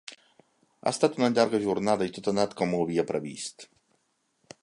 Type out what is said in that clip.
Ha estat una llarga jornada, i tot ha anat com ho havia previst.